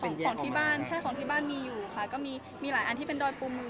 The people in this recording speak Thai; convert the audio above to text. ของของที่บ้านใช่ของที่บ้านมีอยู่ค่ะก็มีมีหลายอันที่เป็นดอยปูมือ